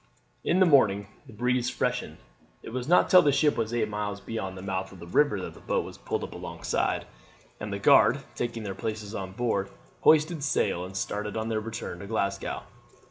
In the morning the breeze freshened. It was not till the ship was eight miles beyond the mouth of the river that the boat was pulled up alongside, and the guard, taking their places on board, hoisted sail and started on their return to Glasgow.